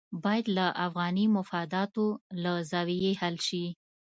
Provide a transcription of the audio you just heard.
باید له افغاني مفاداتو له زاویې حل شي.